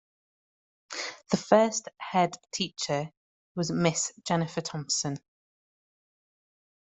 The first Head Teacher was Miss Jennifer Thompson.